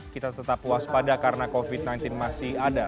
kita tetap waspada karena covid sembilan belas masih ada